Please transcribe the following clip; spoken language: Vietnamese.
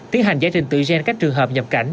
tiến hành giải trình tự gen các trường hợp nhập cảnh